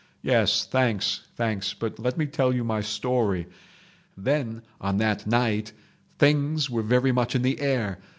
.... Yes—thanks! thanks! But let me tell you my story. "Then, on that night things were very much in the air.